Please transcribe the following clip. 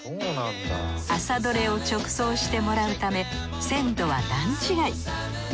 朝どれを直送してもらうため鮮度は段違い。